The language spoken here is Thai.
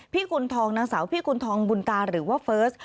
กุณฑองนางสาวพี่กุณฑองบุญตาหรือว่าเฟิร์ส